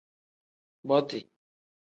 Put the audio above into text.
Boti.